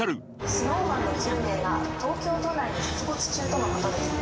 ＳｎｏｗＭａｎの９名が東京都内に出没中とのことです